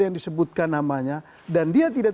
yang disebutkan namanya dan dia tidak